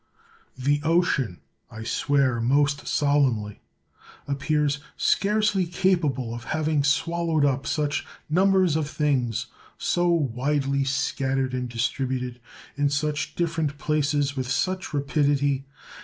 The ocean, I swear most solemnly, appears scarcely capable of having swallowed up such numbers of things so widely scattered, and distributed in such different places, with such rapidity.